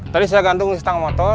tadi saya gantung setengah motor